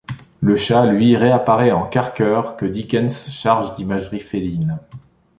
Le chat, lui, réapparaît en Carker que Dickens charge d'imagerie féline.